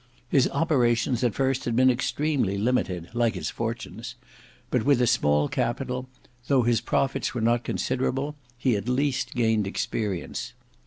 His operations at first had been extremely limited, like his fortunes; but with a small capital, though his profits were not considerable, he at least gained experience.